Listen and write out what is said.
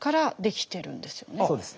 そうです。